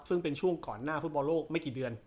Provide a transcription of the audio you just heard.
ซึ่งเป็นช่วงก่อนหน้าฟุตบอลโลกไม่กี่เดือน